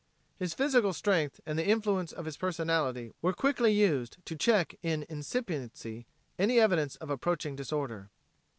His physical strength and the influence of his personality were quickly used to check in incipiency any evidence of approaching disorder.